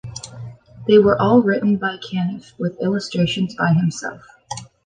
They were all written by Caniff, with illustrations by himself.